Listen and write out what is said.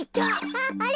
あっあれ！